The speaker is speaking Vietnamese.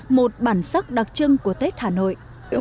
một bản sắc đặc trưng của tết hà nội